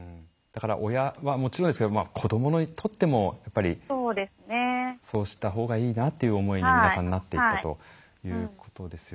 だから親はもちろんですけど子どもにとってもそうした方がいいなという思いに皆さんなっていったということですよね。